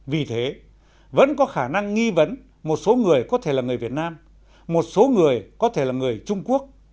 vì thế vẫn có khả năng nghi vấn một số người có thể là người việt nam một số người có thể là người trung quốc